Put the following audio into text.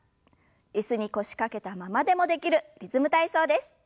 椅子に腰掛けたままでもできる「リズム体操」です。